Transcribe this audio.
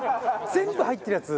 全部入ってるやつ。